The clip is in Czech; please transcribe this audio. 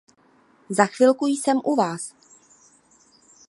Za chvilku jsem u vás.